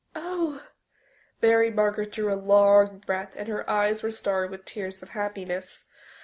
"Oh!" Mary Margaret drew a long breath and her eyes were starry with tears of happiness.